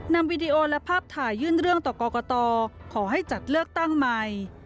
วีดีโอและภาพถ่ายยื่นเรื่องต่อกรกตขอให้จัดเลือกตั้งใหม่